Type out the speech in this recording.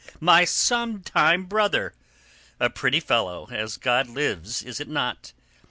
My sometime brother. A pretty fellow, as God lives is it not?